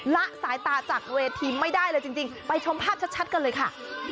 ละสายตาจากเวทีไม่ได้เลยจริงไปชมภาพชัดกันเลยค่ะ